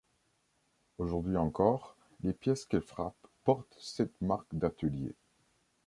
Aujourd'hui encore, les pièces qu'elle frappe portent cette marque d'atelier.